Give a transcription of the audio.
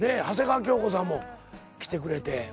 長谷川京子さんも来てくれて。